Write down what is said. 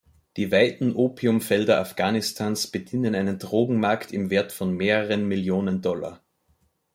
Die weiten Opiumfelder Afghanistans bedienen einen Drogenmarkt im Wert von mehreren Millionen Dollar.